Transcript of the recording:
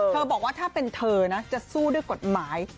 บอกว่าถ้าเป็นเธอนะจะสู้ด้วยกฎหมาย